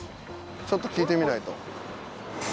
ちょっと聞いてみないと。